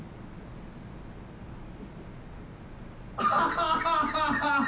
ハハハハハ。